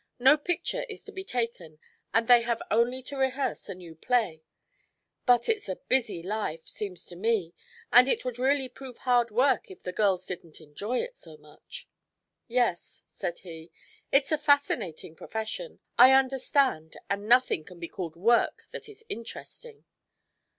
No picture is to be taken and they have only to rehearse a new play. But it's a busy life, seems to me, and it would really prove hard work if the girls didn't enjoy it so much." "Yes," said he, "it's a fascinating profession. I understand, and nothing can be called work that is interesting.